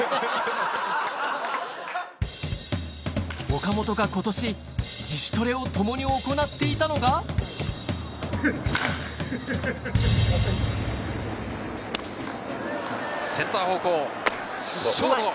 岡本が今年自主トレを共に行っていたのがセンター方向ショート。